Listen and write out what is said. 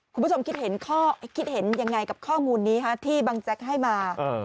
คุณผู้ชมคิดเห็นยังไงกับข้อมูลนี้ที่บางแจ็คให้มา